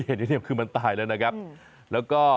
ไปอีกที่หนึ่งเป็นเรื่องราวของสุนัขและแมวกันหน่อย